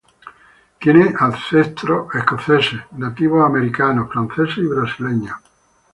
Tiene ancestros escoceses, nativos americanos, franceses y brasileños.